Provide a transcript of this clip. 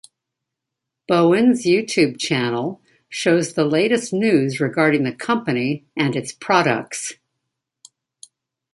Bowens YouTube channel shows the latest news regarding the company and its products.